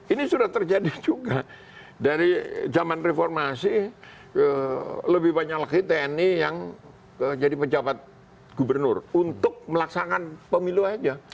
ini sudah terjadi juga dari zaman reformasi lebih banyak lagi tni yang jadi pejabat gubernur untuk melaksanakan pemilu aja